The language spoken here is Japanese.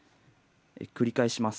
繰り返します。